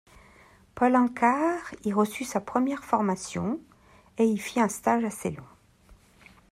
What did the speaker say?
Paul Hankar y reçut sa première formation et y fit un stage assez long.